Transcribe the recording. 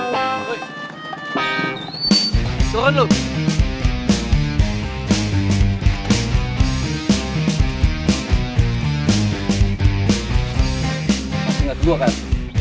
masih gak kedua kan